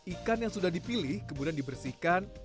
ikan yang sudah dipilih kemudian dibersihkan